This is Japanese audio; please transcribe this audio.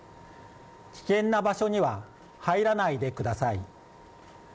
危険な場所には入らないでください。